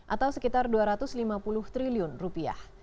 atau sekitar dua ratus lima puluh triliun rupiah